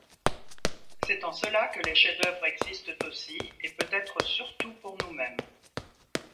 C'est en cela que les chefs-d'œuvre existent aussi et peut-être surtout pour nous-mêmes.